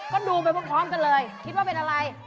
ก็ดูไปพร้อมกันเลยคิดว่าเป็นอะไร